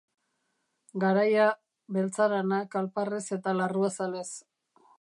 Garaia, beltzarana kalparrez eta larruazalez.